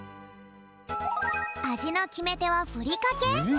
あじのきめてはふりかけ。